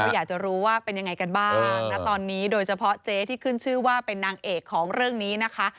อยากจะรู้ว่าเป็นยังไงกันบ้างนะตอนนี้โดยเฉพาะเจ๊ที่ขึ้นชื่อว่าเป็นนางเอกของเรื่องนี้นะคะ